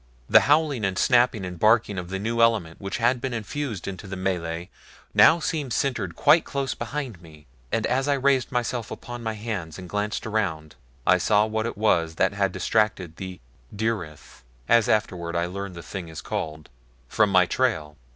The howling and snapping and barking of the new element which had been infused into the melee now seemed centered quite close behind me, and as I raised myself upon my hands and glanced around I saw what it was that had distracted the DYRYTH, as I afterward learned the thing is called, from my trail.